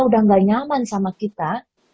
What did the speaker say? udah gak nyaman sama kita